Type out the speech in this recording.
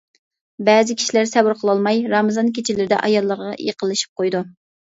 بەزى كىشىلەر سەۋر قىلالماي رامىزان كېچىلىرىدە ئاياللىرىغا يېقىنلىشىپ قويىدۇ.